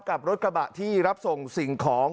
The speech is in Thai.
กับรถกระบะที่รับส่งสิ่งของ